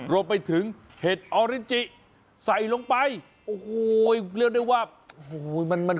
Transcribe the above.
รวมไปถึงเห็ดออริจิใส่ลงไปโอ้โหเรียกได้ว่าโอ้โหมันมัน